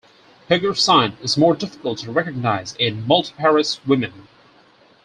Hegar's sign is more difficult to recognize in multiparous women.